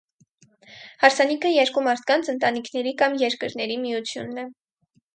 Հարսանիքը երկու մարդկանց, ընտանիքների կամ երկրների միությունն է։